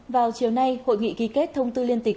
vào chiều nay hội nghị ghi kết thông tư liên tịch